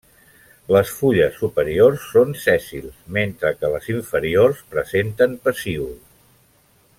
Les fulles superiors són sèssils, mentre que les inferiors presenten pecíol.